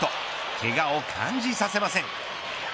けがを感じさせません。